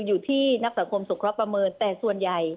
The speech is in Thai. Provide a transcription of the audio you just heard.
อยู่ที่นักสังคมสงเคราะห์ประเมินแต่ส่วนใหญ่